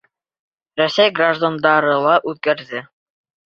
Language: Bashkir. Рәсәй граждандары ла үҙгәрҙе.